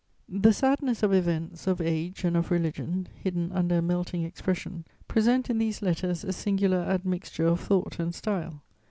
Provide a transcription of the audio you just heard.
The sadness of events, of age and of religion, hidden under a melting expression, present in these letters a singular admixture of thought and style.